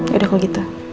yaudah kalau gitu